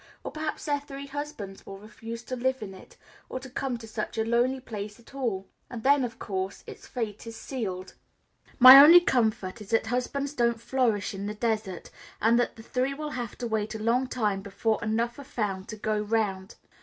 Or perhaps their three husbands will refuse to live in it, or to come to such a lonely place at all, and then of course its fate is sealed. My only comfort is that husbands don't flourish in the desert, and that the three will have to wait a long time before enough are found to go round.